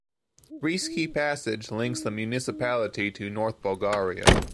Rishki Passage links the municipality to north Bulgaria.